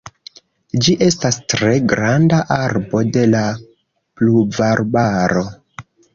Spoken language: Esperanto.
Ĝi estas tre granda arbo de la pluvarbaro.